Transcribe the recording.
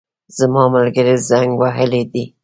زما ملګري زنګ وهلی دی